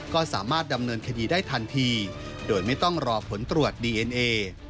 ก็สามารถดำเนินคดีได้ทันทีโดยไม่ต้องรอผลตรวจดีเอ็นเอ